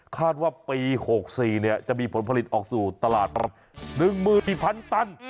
คาดว่าปี๖๔จะมีผลผลิตออกสู่ตลาดประมาณ๑๔๐๐๐ตัน